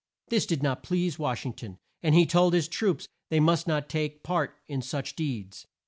This did not please Wash ing ton, and he told his troops that they must not take part in such deeds.